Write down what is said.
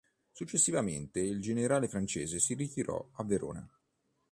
Successivamente, il generale francese si ritirò a Verona.